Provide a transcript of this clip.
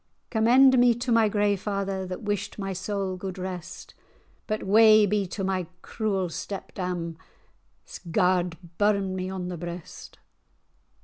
[#] harm. Commend me to my grey father, That wished my soul gude rest; But wae be to my cruel step dame, Garred burn me on the breast."